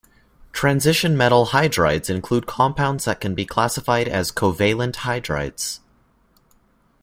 Transition metal hydrides include compounds that can be classified as "covalent hydrides".